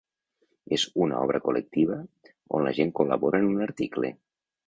És una obra col·lectiva on la gent col·labora en un article.